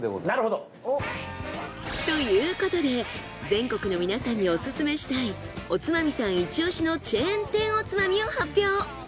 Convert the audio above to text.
なるほど。ということで全国の皆さんにオススメしたいおつまみさん一押しのチェーン店おつまみを発表。